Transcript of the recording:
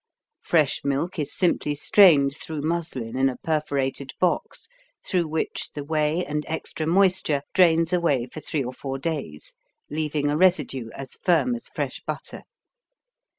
Fresh milk is simply strained through muslin in a perforated box through which the whey and extra moisture drains away for three or four days, leaving a residue as firm as fresh butter.